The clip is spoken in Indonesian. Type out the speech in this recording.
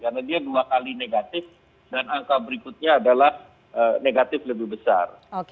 karena dia dua kali negatif dan angka berikutnya adalah negatif lebih besar